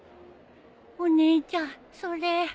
お姉ちゃんそれ。